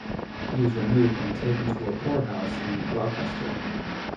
He was removed and taken to a poor house in Gloucester.